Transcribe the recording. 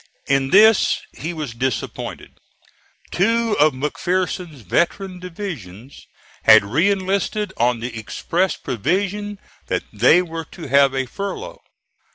In this he was disappointed. Two of McPherson's veteran divisions had re enlisted on the express provision that they were to have a furlough.